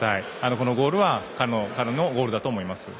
このゴールは彼のゴールだと思います。